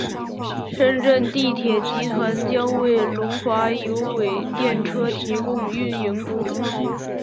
深圳地铁集团将为龙华有轨电车提供运营服务。